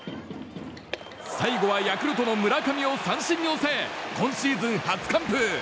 最後はヤクルトの村上を三振に抑え今シーズン初完封！